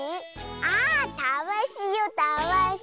あたわしよたわし。